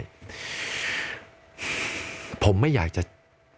นึกออกไหมฮะจะอยู่ไม่ได้